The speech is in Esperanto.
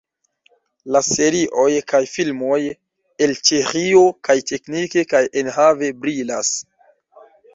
La serioj kaj filmoj el Ĉeĥio kaj teknike kaj enhave brilas.